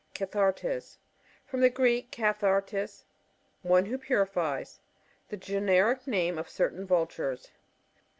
Cathartes. — From the Gieek, kaih.^ artea^ one who purifies. The gen eric name of certain Vultures.